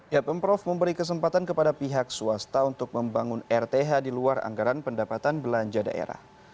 ya pemprov memberi kesempatan kepada pihak swasta untuk membangun rth di luar anggaran pendapatan belanja daerah